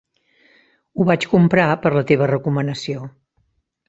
Ho vaig comprar per la teva recomanació.